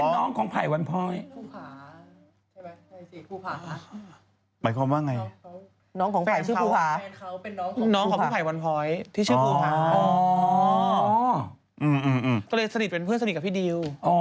น้องของไผ่วันอย่างร้อย